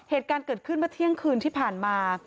เหตุการณ์เกิดขึ้นเมื่อเที่ยงคืนที่ผ่านมา